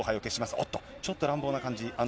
おっと、ちょっと乱暴な感じに。